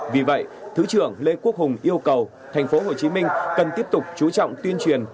vì vậy thứ trưởng lê quốc hùng yêu cầu tp hcm cần tiếp tục chú trọng tuyên truyền